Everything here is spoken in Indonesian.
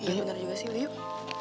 iya bener juga sih yuk